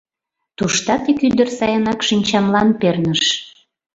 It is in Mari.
Туштат ик ӱдыр сайынак шинчамлан перныш.